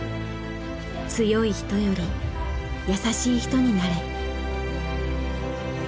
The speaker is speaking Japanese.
「強い人より優しい人になれ」。